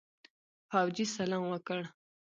فوجي سلام وکړ.